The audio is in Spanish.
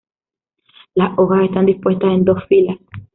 Las hojas están dispuestas en dos filas.